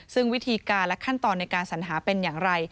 ซึ่งวิธีการและขั้นตอนในการสัญหาเป็นอย่างไร